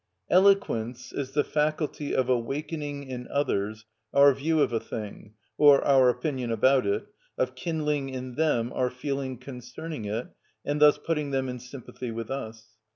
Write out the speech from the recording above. Eloquence is the faculty of awakening in others our view of a thing, or our opinion about it, of kindling in them our feeling concerning it, and thus putting them in sympathy with us.